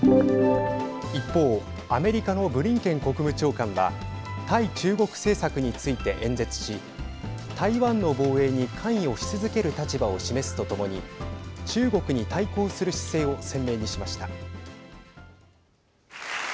一方、アメリカのブリンケン国務長官は対中国政策について演説し台湾の防衛に関与し続ける立場を示すとともに中国に対抗する姿勢を鮮明にしました。